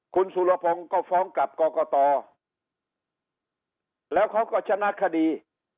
คุณสุรภงก็ฟ้องกับกกตเขาก็ชนะคดี